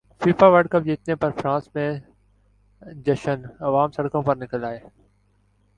FIFA World cup جیتنے پر France میں جشنعوام سڑکوں پر نکل ائے